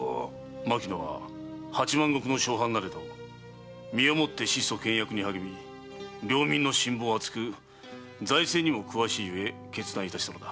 牧野は八万石の小藩なれど身をもって質素倹約に励み領民の信望厚く財政にも詳しいゆえ決断いたしたのだ。